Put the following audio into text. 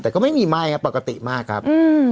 แต่ก็ไม่มีไหม้ครับปกติมากครับ